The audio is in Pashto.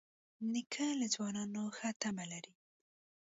نیکه له ځوانانو ښه تمه لري.